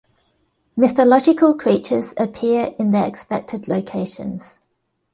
Mythological creatures appear in their expected locations.